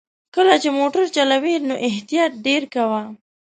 کله چې موټر چلوې نو احتياط ډېر کوه!